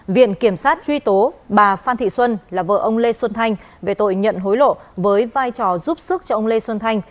viện kiểm sát truy tố bà phan thị xuân là vợ ông lê xuân thanh về tội nhận hối lộ với vai trò giúp sức cho ông lê xuân thanh